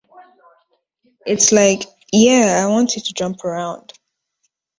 It's like, 'Yeah, I want you to jump around.